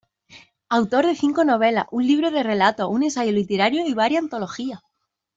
Autor de cinco novelas, un libro de relatos, un ensayo literario y varias antologías.